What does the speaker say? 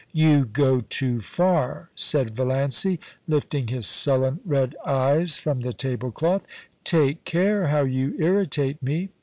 * You go too far,' said Valiancy, lifting his sullen, red eyes from the table cloth. *Take care how you irritate me.